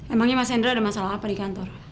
emangnya mas hendra ada masalah apa di kantor